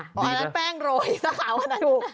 อ๋อแล้วแป้งโรยสักขาวอันนั้น